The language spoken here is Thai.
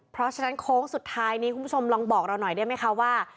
เพราะฉะนั้นโค้งสุดท้ายนี้คุณผู้ชมลองบอกเราหน่อยได้ไหมคะว่า